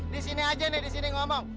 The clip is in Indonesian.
di sini aja nih di sini ngomong